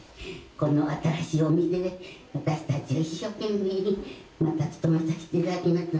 この新しいお店で私達一生懸命にまた勤めさせていただきます